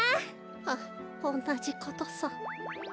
はっおんなじことさ。